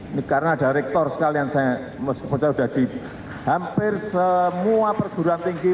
ini karena ada rektor sekalian saya sudah di hampir semua perguruan tinggi